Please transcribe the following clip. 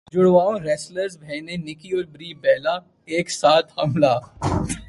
جڑواں wrestler بہنیں Nikki اور بری بیلا ایک ساتھ حاملہ